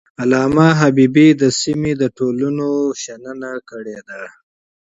علامه حبيبي د سیمې د تمدنونو تحلیل کړی دی.